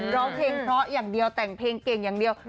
ร้องเพลงเพราะอย่างเดียวแต่งเพลงเก่งอย่างเดียว